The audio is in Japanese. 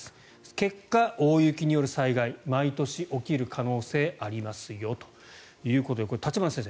結果、大雪による災害毎年起きる可能性ありますよということでこれ、立花先生